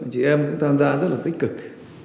chị em cũng tham gia rất là tích cực